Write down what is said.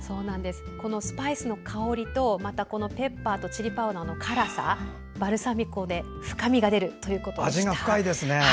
このスパイスの香りとペッパーとチリパウダーの辛さバルサミコ酢で深みが出るということでした。